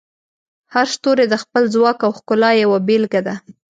هر ستوری د خپل ځواک او ښکلا یوه بیلګه ده.